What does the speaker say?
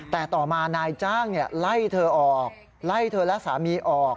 แต่ต่อมานายจ้างไล่เธอออกไล่เธอและสามีออก